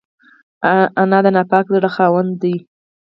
انا د پاک زړه خاونده ده